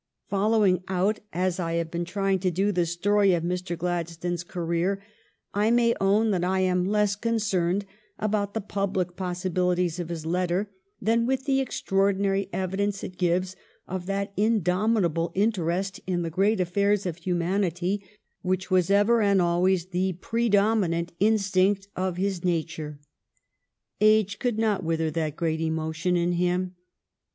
l 'iillnwiiig out. as I have Ix en trying to do, the story of Mr. Gladstone's ca reer, I may own that I am less concerned about the public possi bilities of his let ter than with the extraordinary evidence it gives of that indomi table interest in the great affairs of humanity which was ever and always the predominant in stinct of his nat ure. Age could not wither that great emotion in him.